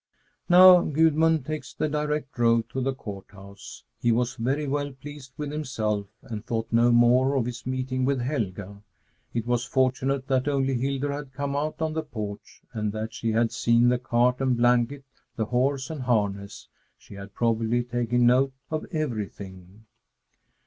Now Gudmund takes the direct road to the Court House. He was very well pleased with himself and thought no more of his meeting with Helga. It was fortunate that only Hildur had come out on the porch and that she had seen the cart and blanket, the horse and harness. She had probably taken note of everything.